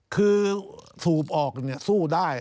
คือสูบออกเนี่ยสู้ได้